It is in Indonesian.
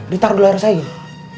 ditaruh di luar saya gitu